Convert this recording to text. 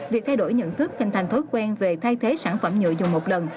việc thay đổi nhận thức hình thành thói quen về thay thế sản phẩm nhựa dùng một lần